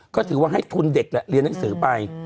ก็ถือว่าให้ทุนเด็กแหละเรียนหนังสือไป